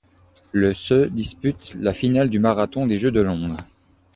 Le se dispute la finale du marathon des Jeux de Londres.